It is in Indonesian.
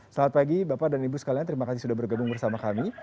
selamat pagi bapak dan ibu sekalian terima kasih sudah bergabung bersama kami